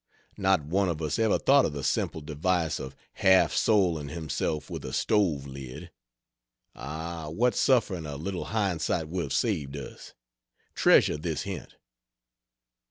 Not one of us ever thought of the simple device of half soling himself with a stove lid. Ah, what suffering a little hindsight would have saved us. Treasure this hint.